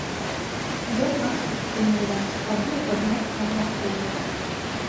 Ён нас падтрымлівае, спрабуе падняць нам настрой.